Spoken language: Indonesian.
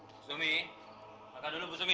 bu sumi makan dulu bu sumi